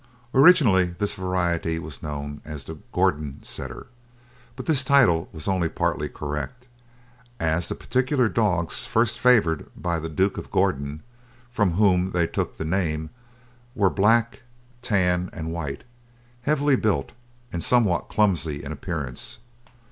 Originally this variety was known as the Gordon Setter, but this title was only partly correct, as the particular dogs first favoured by the Duke of Gordon, from whom they took the name, were black, tan, and white, heavily built, and somewhat clumsy in appearance.